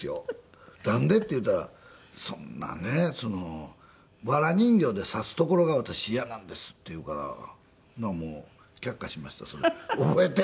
「なんで？」って言うたらそんなね「ワラ人形で刺すところが私嫌なんです」って言うからもう却下しましたそれ覚えてんねんけど。